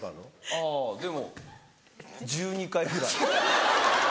あぁでも１２回ぐらい。